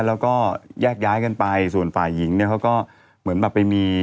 แล้วก็แยกย้ายกันไปส่วนฝ่ายหญิงเนี่ยเขาก็เหมือนแบบไปมี